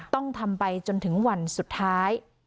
ต้องทำไปจนถึงวันสุดท้าย